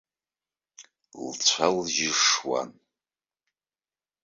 Лцәа-лжьы шуан.